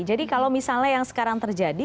jadi kalau misalnya yang sekarang terjadi